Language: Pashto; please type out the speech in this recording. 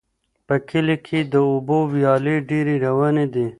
په کلي کې د اوبو ویالې ډېرې روانې دي.